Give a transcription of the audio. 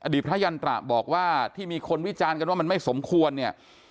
พระยันตระบอกว่าที่มีคนวิจารณ์กันว่ามันไม่สมควรเนี่ย